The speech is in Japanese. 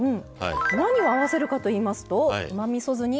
何を合わせるかといいますとうまみそ酢に。